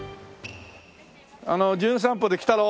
『じゅん散歩』で「来たろう」。